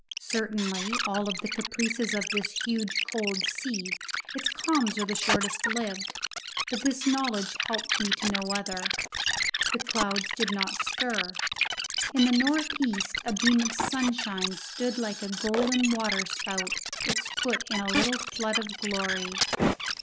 Certainly, of all the caprices of this huge cold sea, its calms are the shortest lived, but this knowledge helped me to no other. The clouds did not stir. In the north east a beam of sunshine stood like a golden waterspout, its foot in a little flood of glory.